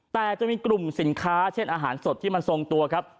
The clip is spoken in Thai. แต่จะมีกลุ่มสินค้าเช่นอาหารสดที่มันทรงตัวครับ